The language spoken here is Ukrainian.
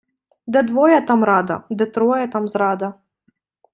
Де двоє, там рада, де троє, там зрада.